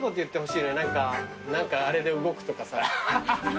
何かあれで動くとかさ。